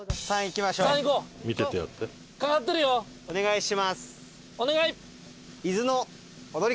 お願い！